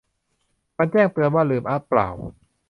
มันแจ้งเตือน ว่าลืมอ๊ะเปล่า